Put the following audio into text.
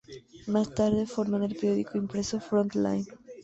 Más tarde forman el periódico impreso Front Line.